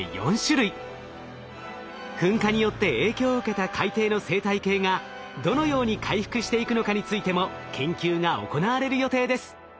噴火によって影響を受けた海底の生態系がどのように回復していくのかについても研究が行われる予定です。